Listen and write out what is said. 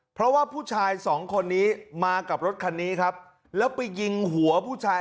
เพราะว่าผู้ชายสองคนนี้มากับรถคันนี้ครับแล้วไปยิงหัวผู้ชาย